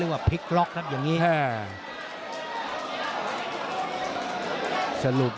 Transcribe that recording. หรือว่าผู้สุดท้ายมีสิงคลอยวิทยาหมูสะพานใหม่